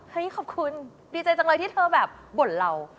ขอบคุณดีใจจังเลยที่เธอแบบบ่นเรา